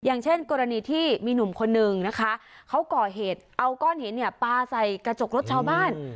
อย่างเช่นกรณีที่มีหนุ่มคนนึงนะคะเขาก่อเหตุเอาก้อนหินเนี่ยปลาใส่กระจกรถชาวบ้าน